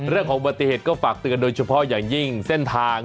เรื่องของอุบัติเหตุก็ฝากเตือนโดยเฉพาะอย่างยิ่งเส้นทาง